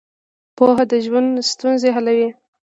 پوهه د ژوند ستونزې حلوي.